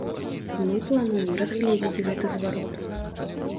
Мы плануем разгледзець гэты зварот.